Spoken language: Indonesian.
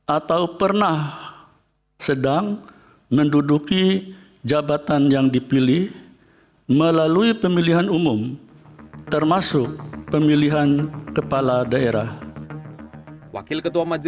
atau pernah sedang menduduki jabatan yang dipilih melalui pemilihan umum termasuk pemilihan kepala daerah